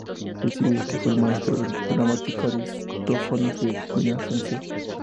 Se dice que fue maestro del gramático Aristófanes de Bizancio.